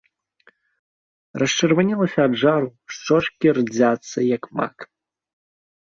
Расчырванелася ад жару, шчочкі рдзяцца, як мак.